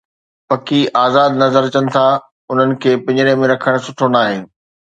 پکي آزاد نظر اچن ٿا، انهن کي پنجري ۾ رکڻ سٺو ناهي